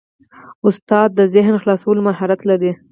استاد د ذهن خلاصولو مهارت لري.